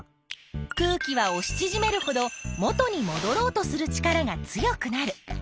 空気はおしちぢめるほど元にもどろうとする力が強くなる。